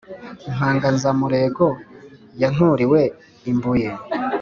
impangazamurego yanturiwe i Mbuye